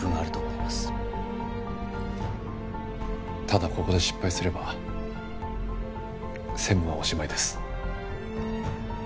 ただここで失敗すれば専務はおしまいです。